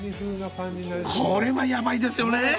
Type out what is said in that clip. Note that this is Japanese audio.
これはヤバいですよね